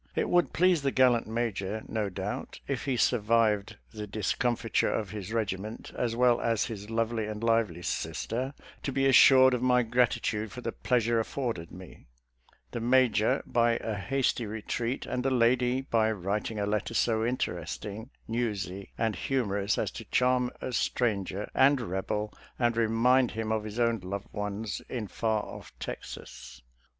It would please the gallant Major, no doubt, if he survived the discomfiture of his regiment, as well as his lovely and lively sister, to be assured of my gratitude for the pleas ure afforded me; the Major, by a hasty retreat, and the lady, by writing a letter so interesting, newsy, and humorous as to charm a stranger and Rebel and remind him of his own loved ones in 46 SOLDIER'S LETTERS TO CHARMING NELLIE far off Texas.